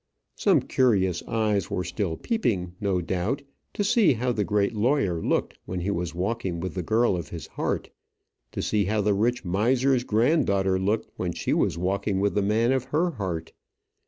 Some curious eyes were still peeping, no doubt, to see how the great lawyer looked when he was walking with the girl of his heart; to see how the rich miser's granddaughter looked when she was walking with the man of her heart.